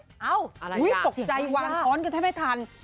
อุ๊ยโต๊ะใจวางค้อนก็ได้ไม่ทัน